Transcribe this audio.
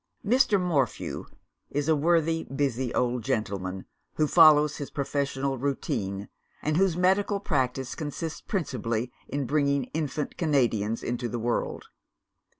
"Mr. Morphew is a worthy busy old gentleman, who follows his professional routine, and whose medical practice consists principally in bringing infant Canadians into the world.